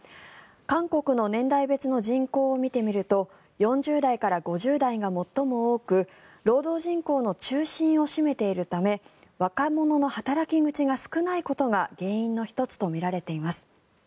韓国の年代別の人口を見てみると４０代から５０代が最も多く労働人口の中心を占めているため若者の働き口が少ないことが原因の１つとみられています。